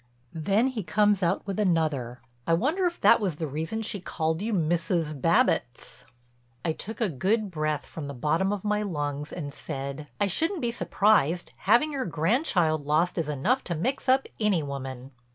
Then he comes out with another: "I wonder if that was the reason she called you Mrs. Babbitts?" I took a good breath from the bottom of my lungs and said: "I shouldn't be surprised. Having your grandchild lost is enough to mix up any woman."